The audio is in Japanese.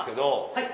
はい。